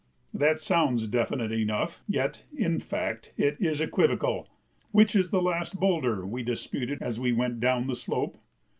That sounds definite enough, yet in fact it is equivocal. "Which is the last boulder?" we disputed as we went down the slope.